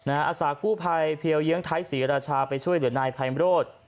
อาสากู้ภัยเพียวเยื้องไทยศรีราชาไปช่วยเหลือนายไพมโรธ